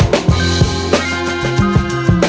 nggak ada yang denger